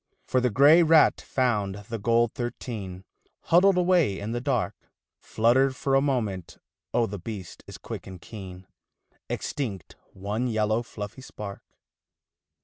For the grey rat found the gold thirteen Huddled away in the dark, Flutter for a moment, oh the beast is quick and keen, Extinct one yellow fluffy spark.